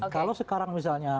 kalau sekarang misalnya